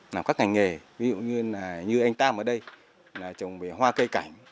làm các ngành nghề ví dụ như là như anh tam ở đây là trồng về hoa cây cảnh